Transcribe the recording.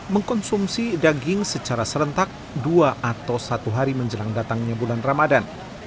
mengkonsumsi daging secara serentak dua atau satu hari menjelang datangnya bulan ramadan